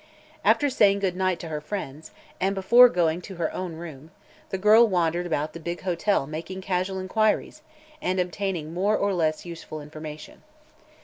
After saying good night to her friends, and before going to her own room, the girl wandered about the big hotel making casual inquiries and obtaining more or less useful information.